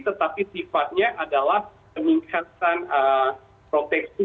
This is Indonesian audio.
tetapi sifatnya adalah peningkatan proteksi